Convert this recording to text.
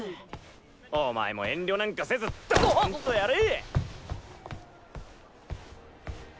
お前も遠慮なんかせずどんとやれ！